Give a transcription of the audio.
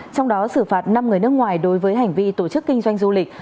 trong đó xử phạt năm người nước ngoài đối với hành vi tổ chức kinh doanh du lịch